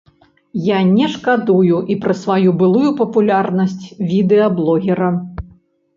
Як не шкадуе і пра сваю былую папулярнасць відэаблогера.